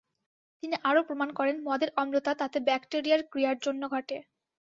তিনি আরও প্রমাণ করেন মদের অম্লতা তাতে ব্যাক্টেরিয়ার ক্রিয়ার জন্য ঘটে।